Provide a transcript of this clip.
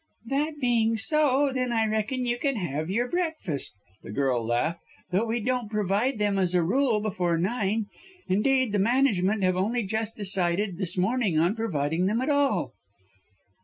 "That being so, then I reckon you can have your breakfast," the girl laughed, "though we don't provide them as a rule before nine. Indeed, the management have only just decided this morning on providing them at all."